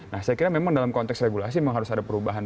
nah saya kira memang dalam konteks regulasi memang harus ada perubahan